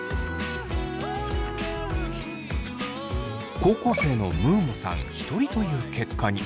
高校生のムーモさん１人という結果に。